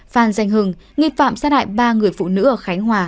phan danh hưng nghi phạm sát hại ba người phụ nữ ở khánh hòa